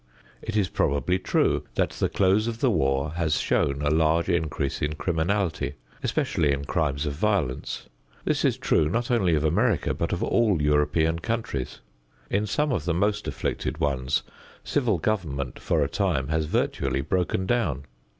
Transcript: It is probably true that the close of the war has shown a large increase in criminality, especially in crimes of violence. This is true not only of America but of all European countries. In some of the most afflicted ones civil government for a time has virtually broken down.